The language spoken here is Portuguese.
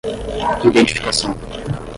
identificação